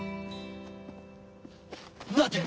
待て！